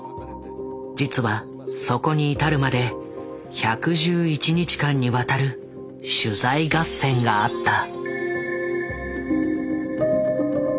実はそこに至るまで１１１日間にわたる取材合戦があった。